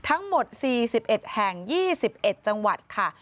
ทั้งหมด๔๑แห่ง๒๑จังหวัดค่ะ